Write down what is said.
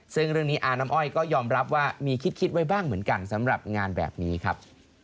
ซึ่งเรื่องนี้อาน้ำอ้อยก็ยอมรับว่ามีคิดไว้บ้างเหมือนกันสำหรับงานแบบนี้ครับ